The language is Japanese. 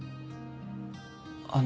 あの。